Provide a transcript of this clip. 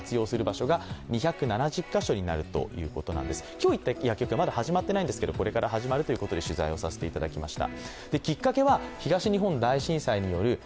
今日行った薬局はまだ始まっていないんですけど、これから始まるということで取材をさせていただきました。